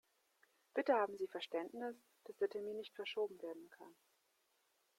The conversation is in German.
Bitte haben Sie Verständnis, dass der Termin nicht verschoben werden kann.